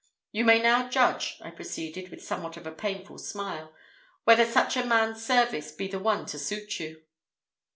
You may now judge," I proceeded, with somewhat of a painful smile, "whether such a man's service be the one to suit you."